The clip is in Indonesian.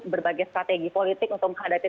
berbagai strategi politik untuk menghadapi